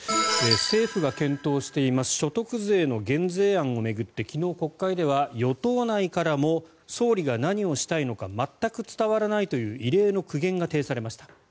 政府が検討しています所得税の減税案を巡って昨日、国会では与党内からも総理が何をしたいのかまったく伝わらないという異例の苦言が呈されました。